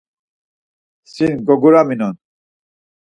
Sin goguraminon.